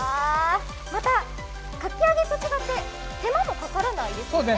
またかき揚げと違って手間もかからないですよね。